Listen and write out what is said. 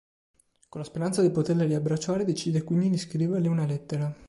Con la speranza di poterla riabbracciare decide quindi di scriverle una lettera.